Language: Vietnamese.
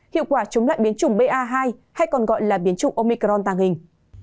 hiệu quả chống lại biến chủng ba hai hay còn gọi là biến chủng omicron tàng hình